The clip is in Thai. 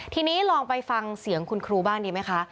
ทีนี้ลองไปฟังเสียงคุณครูบ้างดีไหมคะ